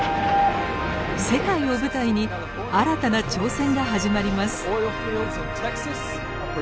世界を舞台に新たな挑戦が始まります。